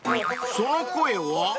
［その声は？］